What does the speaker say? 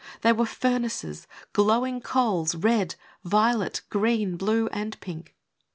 They were furnaces, glowing coals, red, violet, green, blue and pink.